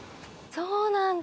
そうなんだ。